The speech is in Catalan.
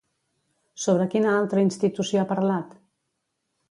Sobre quina altra institució ha parlat?